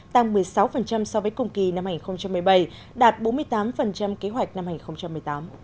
tăng một mươi sáu so với cùng kỳ năm hai nghìn một mươi bảy đạt bốn mươi tám kế hoạch năm hai nghìn một mươi tám